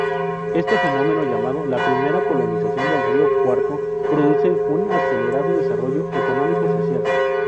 Este fenómeno llamado "La Primera Colonización del Río Cuarto", produce un acelerado desarrollo económico-social.